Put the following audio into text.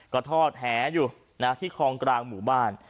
ก็ทอดแหอยู่ที่คลองกลางหมู่บ้าน